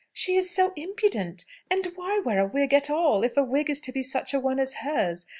"She is so impudent! And why wear a wig at all, if a wig is to be such a one as hers?